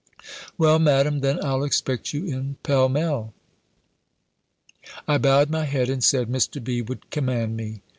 "Well, Madam, then I'll expect you in Pall Mall." I bowed my head, and said, Mr. B. would command me.